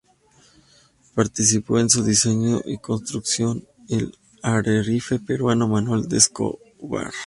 Participó en su diseño y construcción el alarife peruano Manuel de Escobar.